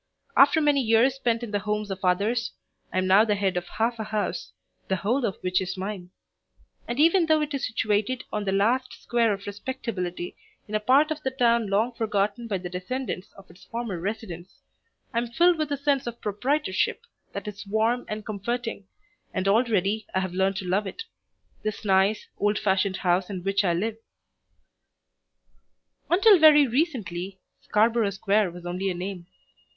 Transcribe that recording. After many years spent in the homes of others I am now the head of half a house, the whole of which is mine; and even though it is situated on the last square of respectability in a part of the town long forgotten by the descendants of its former residents, I am filled with a sense of proprietorship that is warm and comforting, and already I have learned to love it this nice, old fashioned house in which I live. Until very recently Scarborough Square was only a name.